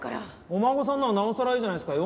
お孫さんならなおさらいいじゃないですか。